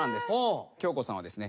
恭子さんはですね